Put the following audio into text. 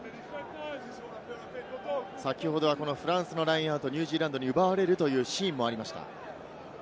先ほどはフランスのラインアウト、ニュージーランドに奪われるシーンもありました。